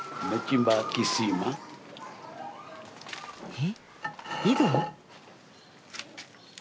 えっ井戸？